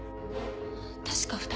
確か２人。